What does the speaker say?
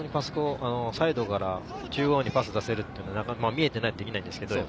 サイドから中央にパス出せるというのは見えていないとできない。